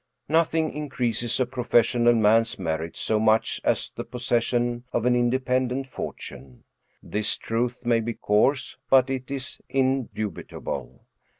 Nothing increases a professional man's merit so much as the possession of an independent fortune ; this truth may be coarse, but it is indubitable.